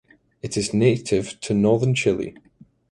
It is native to northern Chile.